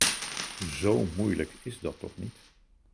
Zo moeilijk is dat toch niet!